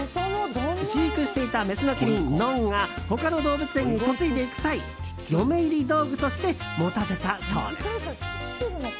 飼育していたメスのキリンノンが他の動物園に嫁いでいく際嫁入り道具として持たせたそうです。